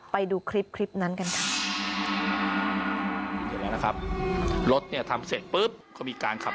ไปดูคลิปคลิปนั้นกันค่ะ